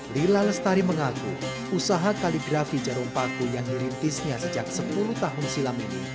lila lestari mengaku usaha kaligrafi jarum paku yang dirintisnya sejak sepuluh tahun silam ini